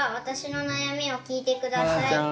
私の悩みを聞いて下さい。